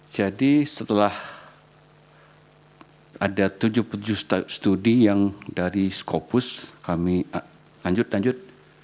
jadi setelah ada tujuh puluh tujuh studi yang dari skopus kami lanjut lanjut